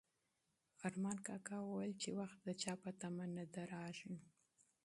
ارمان کاکا وویل چې وخت د چا په تمه نه درېږي.